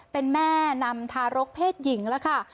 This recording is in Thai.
เป็นแม่นำทารกเพศหญิงแล้วค่ะ